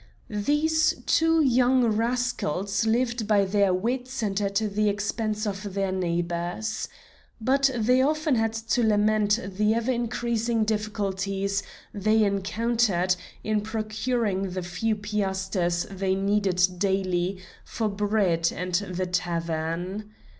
These two young rascals lived by their wits and at the expense of their neighbors. But they often had to lament the ever increasing difficulties they encountered in procuring the few piasters they needed daily for bread and the tavern.